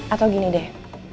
atau gini deh